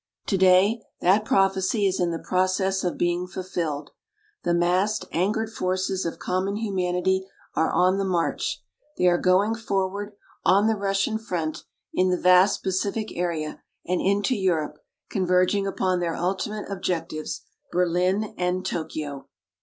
Today that prophecy is in the process of being fulfilled. The massed, angered forces of common humanity are on the march. They are going forward on the Russian front, in the vast Pacific area, and into Europe converging upon their ultimate objectives: Berlin and Tokyo.